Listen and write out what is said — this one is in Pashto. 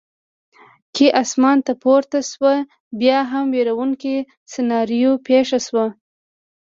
کې اسمان ته پورته شوه، بیا هم وېروونکې سناریو پېښه شوه.